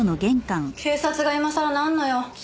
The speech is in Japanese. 警察が今さらなんの用？